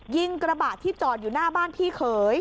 กระบะที่จอดอยู่หน้าบ้านพี่เขย